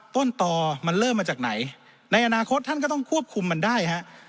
ต้นต่อมันเริ่มมาจากไหนในอนาคตท่านก็ต้องควบคุมมันได้ฮะ